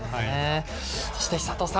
そして、寿人さん。